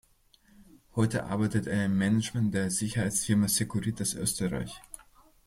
Heute arbeitet er im Management der Sicherheitsfirma Securitas Österreich.